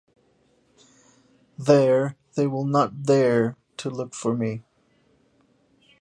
There they will not dare to look for me.